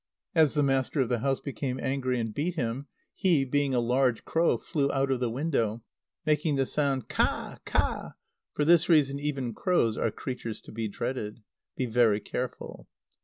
As the master of the house became angry and beat him, he, being a large crow, flew out of the window, making the sound "Kā! kā!" For this reason, even crows are creatures to be dreaded. Be very careful!